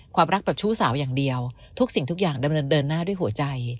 ความรักแบบชู้สาวอย่างเดียวทุกสิ่งทุกอย่างดำเนินเดินหน้าด้วยหัวใจ